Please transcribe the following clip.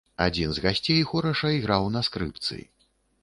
Адзін з гасцей хораша іграў на скрыпцы.